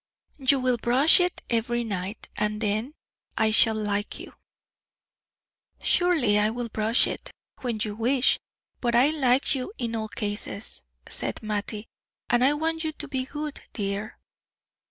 "You will brush it every night, and then I shall like you." "Surely I will brush it, when you wish. But I like you in all cases," said Mattie. "And I want you to be good, dear."